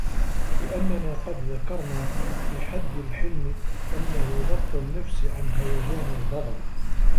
لِأَنَّنَا قَدْ ذَكَرْنَا فِي حَدِّ الْحِلْمِ أَنَّهُ ضَبْطُ النَّفْسِ عَنْ هَيَجَانِ الْغَضَبِ